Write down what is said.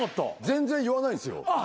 全然言わないんですよ。